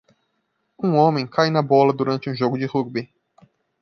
Um homem cai na bola durante um jogo de rúgbi